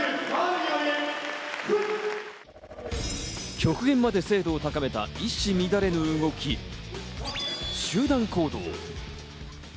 極限まで精度を高めた一糸乱れぬ動き、集団行動。